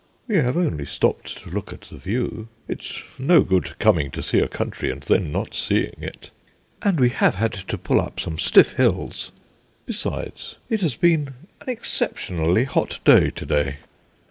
"We have only stopped to look at the view. It's no good coming to see a country, and then not seeing it." "And we have had to pull up some stiff hills." "Besides, it has been an exceptionally hot day to day."